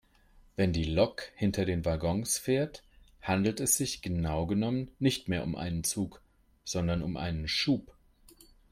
Wenn die Lok hinter den Waggons fährt, handelt es sich genau genommen nicht mehr um einen Zug sondern um einen Schub.